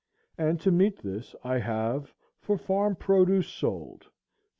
And to meet this I have for farm produce sold $23.